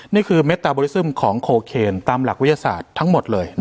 นี่คือเมตตาบริซึมของโคเคนตามหลักวิทยาศาสตร์ทั้งหมดเลย